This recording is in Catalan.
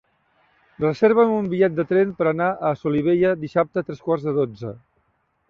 Reserva'm un bitllet de tren per anar a Solivella dissabte a tres quarts de dotze.